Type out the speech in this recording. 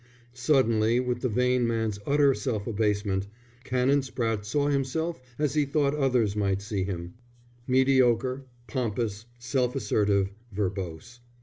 Suddenly, with the vain man's utter self abasement, Canon Spratte saw himself as he thought others might see him: mediocre, pompous, self assertive, verbose.